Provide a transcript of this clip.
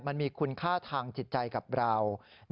มันมีคุณค่าทางจิตใจกับเรา